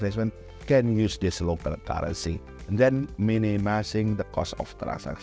bisa menggunakan transaksi lokal ini dan meminimalisir kos transaksi